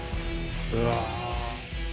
うわ。